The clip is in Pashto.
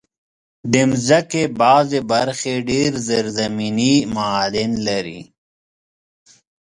د مځکې بعضي برخې ډېر زېرزمینې معادن لري.